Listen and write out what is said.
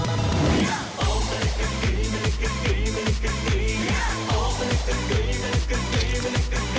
เอามาจง